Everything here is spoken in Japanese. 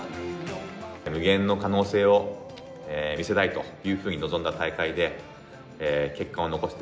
無限の可能性を見せたいというふうに臨んだ大会で、結果を残せて